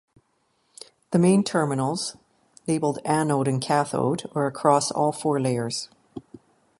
The main terminals, labelled anode and cathode, are across all four layers.